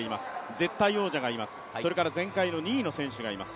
絶対王者がいます、それから前回の２位の選手がいます。